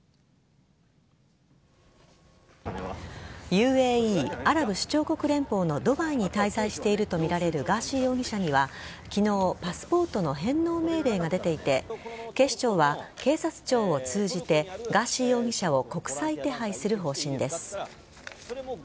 ＵＡＥ＝アラブ首長国連邦のドバイに滞在しているとみられるガーシー容疑者には昨日パスポートの返納命令が出ていて警視庁は警察庁を通じてガーシー容疑者を国際手配する方針です。